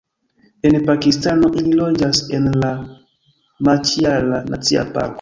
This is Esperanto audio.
En Pakistano ili loĝas en la Maĉiara Nacia Parko.